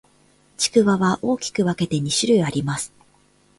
埴輪は大きく分けて二種類あります。